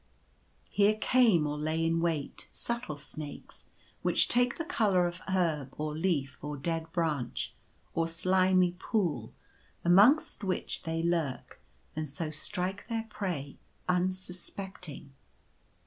Here came or lay in wait, subtle snakes, which take the colour of herb, or leaf, or dead branch, or slimy pool, amongst which they lurk, and so strike their prey unsuspecting.